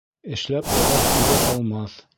Эшләп оҙаҡ түҙә алмаҫ.